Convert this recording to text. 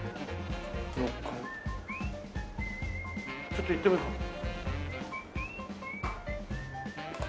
ちょっと行ってみるか。